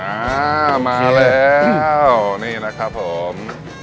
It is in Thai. อะมาแล้วววววนี้นะครับผม